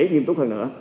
nghiêm túc hơn nữa